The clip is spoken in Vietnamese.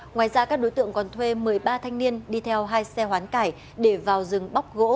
ngoài ra các đối tượng còn thuê một mươi ba thanh niên đi theo hai xe hoán cải để vào rừng bóc gỗ